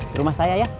di rumah saya ya